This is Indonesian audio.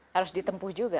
harus ditempuh juga